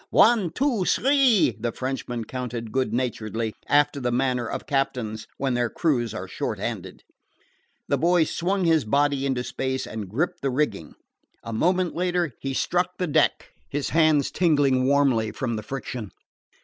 One, two, three!" the Frenchman counted good naturedly, after the manner of captains when their crews are short handed. The boy swung his body into space and gripped the rigging. A moment later he struck the deck, his hands tingling warmly from the friction.